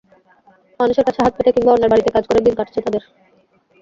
মানুষের কাছে হাত পেতে কিংবা অন্যের বাড়িতে কাজ করে দিন কাটছে তাঁদের।